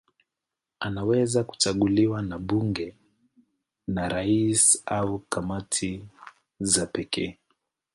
Anaweza kuchaguliwa na bunge, na rais au kamati za pekee.